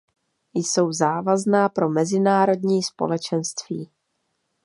Jsou závazná pro mezinárodní společenství.